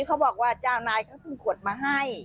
เขาบอกว่าเจ้านายเขาเพิ่งกดมาให้